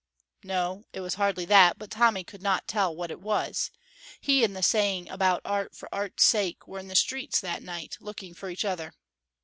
No, it was hardly that, but Tommy could not tell what it was. He and the saying about art for art's sake were in the streets that night, looking for each other.